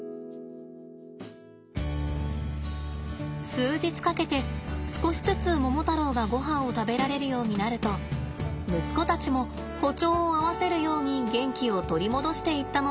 数日かけて少しずつモモタロウがごはんを食べられるようになると息子たちも歩調を合わせるように元気を取り戻していったのだそうで。